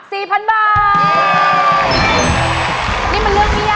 นี่มันเรื่องไม่ยากนี่น่ะ